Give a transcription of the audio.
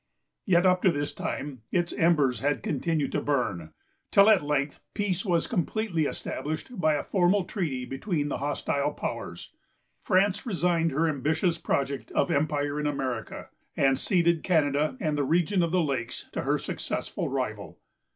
Yet up to this time, its embers had continued to burn, till at length peace was completely established by formal treaty between the hostile powers. France resigned her ambitious project of empire in America, and ceded Canada and the region of the lakes to her successful rival.